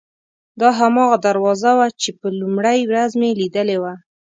دا هماغه دروازه وه چې په لومړۍ ورځ مې لیدلې وه.